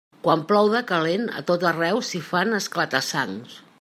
Quan plou de calent, a tot arreu s'hi fan esclata-sangs.